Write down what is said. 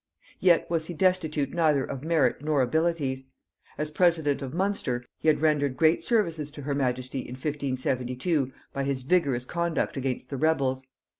Yet was he destitute neither of merit nor abilities. As president of Munster, he had rendered great services to her majesty in 1572 by his vigorous conduct against the rebels.